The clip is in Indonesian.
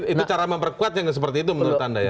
itu cara memperkuatnya seperti itu menurut anda ya